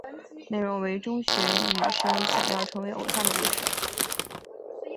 内容为中学女生想要成为偶像的故事。